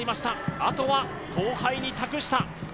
あとは後輩に託した。